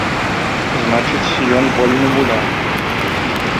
Значыць, ён вольны муляр.